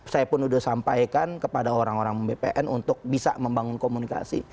saya pun sudah sampaikan kepada orang orang bpn untuk bisa membangun komunikasi